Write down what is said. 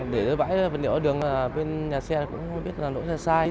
để rơi vãi vật liệu ở đường là bên nhà xe cũng không biết là lỗi xe sai